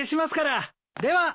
では。